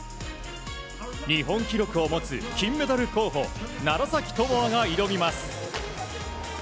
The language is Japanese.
日本記録を持つ金メダル候補楢崎智亜が挑みます。